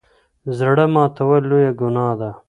زړه ماتول لويه ګناه ده.